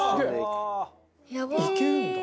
いけるんだ。